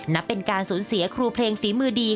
นับเป็นการสูญเสียครูเพลงฝีมือดี